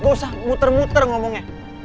gak usah muter muter ngomongnya